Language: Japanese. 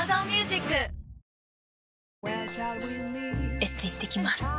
エステ行ってきます。